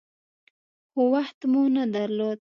خو وخت مو نه درلود .